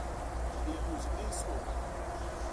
Liyut li nsôn.